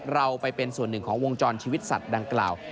เราไปเป็นส่วนหนึ่งของวงจรชีวิตสัตว์ดังกล่าว